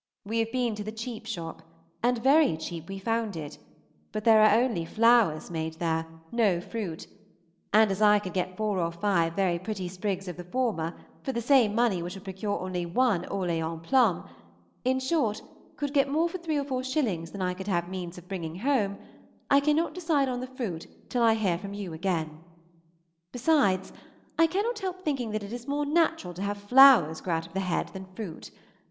We have been to the cheap shop, and very cheap we found it, but there are only flowers made there, no fruit; and as I could get four or five very pretty sprigs of the former for the same money which would procure only one Orleans plum in short, could get more for three or four shillings than I could have means of bringing home I cannot decide on the fruit till I hear from you again. Besides, I cannot help thinking that it is more natural to have flowers grow out of the head than fruit.